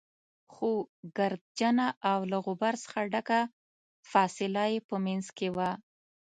خو ګردجنه او له غبار څخه ډکه فاصله يې په منځ کې وه.